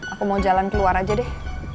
aku mau jalan keluar aja deh